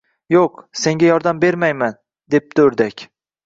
– Yo‘q, senga yordam bermayman, – debdi o‘rdak